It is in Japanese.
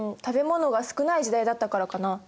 食べ物が少ない時代だったからかな。